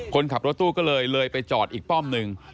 คนขับรถตู้ก็เลยเลยไปจอดอีกป้อมหนึ่ง